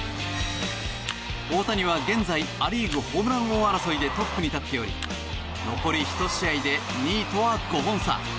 大谷は現在ア・リーグ、ホームラン王争いでトップに立っており残り１試合で２位とは５本差。